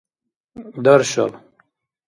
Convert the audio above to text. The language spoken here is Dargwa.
даршал